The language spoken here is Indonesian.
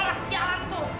si orang sialan tuh